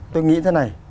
tôi nghĩ thế này